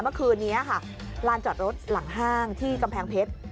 เมื่อคืนนี้ค่ะลานจอดรถหลังห้างที่กำแพงเพชร